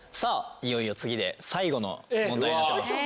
いよいよ次で最後の問題になってます。